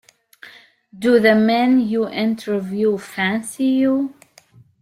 'Do the men you interview fancy you?